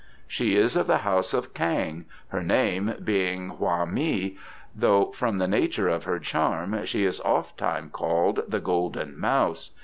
"She is of the house of K'ang, her name being Hwa mei, though from the nature of her charm she is ofttime called the Golden Mouse.